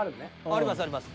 ありますあります。